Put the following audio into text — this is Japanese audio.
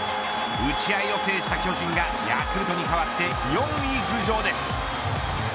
打ち合いを制した巨人がヤクルトに代わって４位浮上です。